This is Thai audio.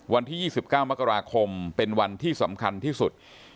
วันที่๒๙มกราคมเป็นวันที่สำคัญที่สุด